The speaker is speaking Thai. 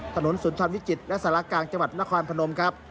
สุนทรวิจิตรและสารกลางจังหวัดนครพนมครับ